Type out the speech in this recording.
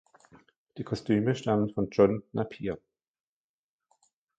Die Kostüme stammen von John Napier.